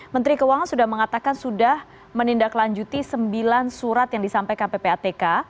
menteri keuangan sudah mengatakan sudah menindaklanjuti sembilan surat yang disampaikan ppatk